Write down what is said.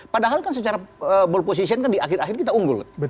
padahal kan secara ball position kan di akhir akhir kita unggul